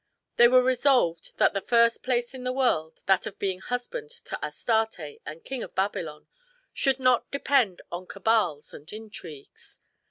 They were resolved that the first place in the world, that of being husband to Astarte and King of Babylon, should not depend on cabals and intrigues.